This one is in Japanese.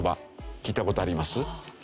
聞いた事あります。